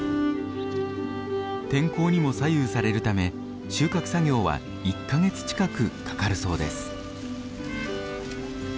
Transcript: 天候にも左右されるため収穫作業は１か月近くかかるそうです。